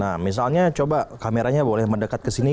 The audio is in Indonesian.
nah misalnya coba kameranya boleh mendekat ke sini